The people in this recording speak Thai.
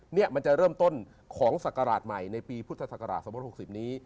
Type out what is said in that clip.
เนี่ยมันจะเริ่มต้นของศักราชใหม่ในปีพุทธศักราช๒๖๐นี้